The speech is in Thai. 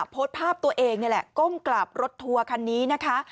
โพสต์ภาพตัวเองนี่แหละก้มกลับรถทัวร์คันนี้นะคะ